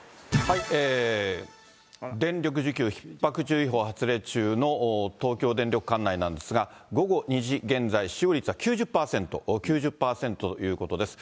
電力需給ひっ迫注意報発令中の東京電力管内なんですが、午後２時現在、使用率は９０％、９０％ということです。